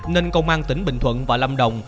nên công an tỉnh bình thuận và lâm đồng